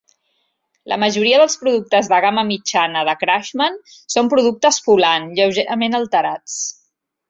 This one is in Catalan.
La majoria dels productes de gamma mitjana de Craftsman són productes Poulan lleugerament alterats.